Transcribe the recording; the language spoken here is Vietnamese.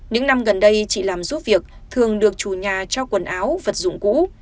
những năm gần đây chị làm giúp việc thường được chủ nhà cho quần áo vật dụng cũ